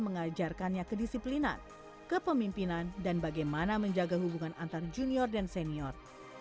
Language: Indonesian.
mengajarkannya kedisiplinan kepemimpinan dan bagaimana menjaga hubungan antar junior dan senior